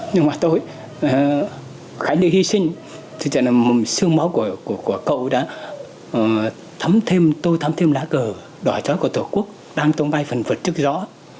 nhưng mà tôi khánh đã hy sinh thật ra là một sương máu của cậu đã thấm thêm tôi thấm thêm lá cờ đỏ chói của tổ quốc đang tông bay phần vật trước gió